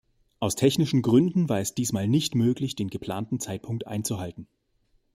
Aus technischen Gründen war es diesmal nicht möglich, den geplanten Zeitpunkt einzuhalten.